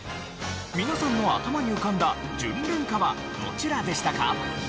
皆さんの頭に浮かんだ「じゅんれんか」はどちらでしたか？